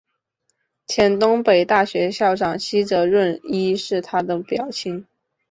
前东北大学校长西泽润一是他的表亲。